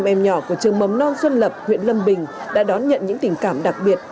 hai trăm linh em nhỏ của trường mấm non xuân lập huyện lâm bình đã đón nhận những tình cảm đặc biệt